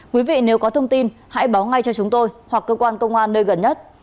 quý vị nếu có thông tin hãy báo ngay cho chúng tôi hoặc cơ quan công an nơi gần nhất